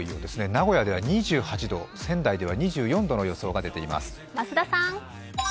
名古屋では２８度、仙台では２４度の予想が出ています。